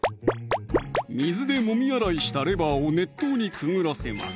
水でもみ洗いしたレバーを熱湯にくぐらせます